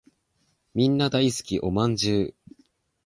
みんな大好きお饅頭